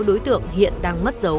đối tượng hiện đang mất dấu